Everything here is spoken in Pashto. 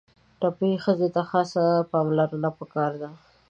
ټپي ښځې ته خاصه پاملرنه پکار ده.